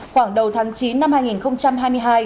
khoảng đầu tháng chín năm hai nghìn hai mươi hai